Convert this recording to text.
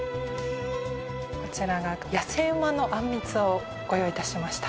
こちらがやせうまのあんみつをご用意いたしました。